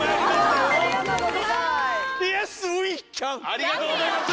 ありがとうございます！